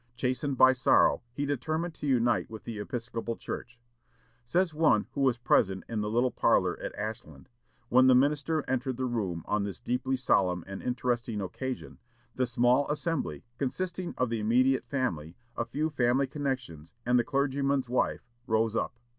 Chastened by sorrow, he determined to unite with the Episcopal Church. Says one who was present in the little parlor at Ashland, "When the minister entered the room on this deeply solemn and interesting occasion, the small assembly, consisting of the immediate family, a few family connections, and the clergyman's wife, rose up.